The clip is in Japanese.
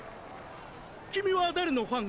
君は誰のファン？